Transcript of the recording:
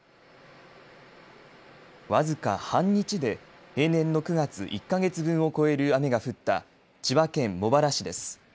僅か半日で平年の９月１か月分を超える雨が降った千葉県茂原市です。